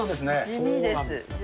地味です。